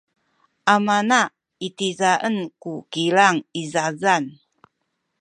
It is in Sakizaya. amana itizaen ku kilang i zazan.